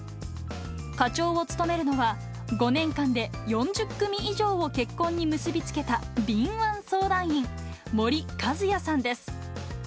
課長を務めるのは、５年間で４０組以上を結婚に結び付けた敏腕相談員、森一也さんです。